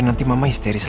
nanti mama histeris lah